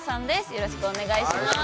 よろしくお願いします。